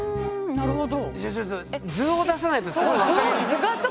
なるほど。